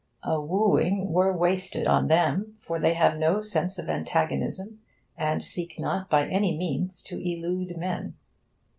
A 'wooing' were wasted on them, for they have no sense of antagonism, and seek not by any means to elude men.